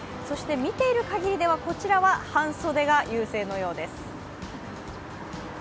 見ているかぎりではこちらは半袖が優勢のようです。